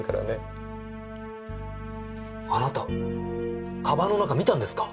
あなた鞄の中見たんですか！？